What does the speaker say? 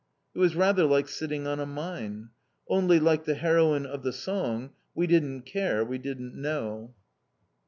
It was rather like sitting on a mine. Only, like the heroine of the song: "We didn't care, we didn't KNOW!"